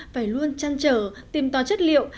phải luôn chăn trở tìm tỏ chất liệu